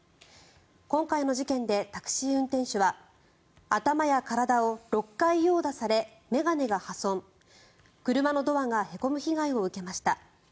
今回の事件でタクシー運転手は頭や体を６回殴打され眼鏡が破損車のドアがへこむ被害を受けました。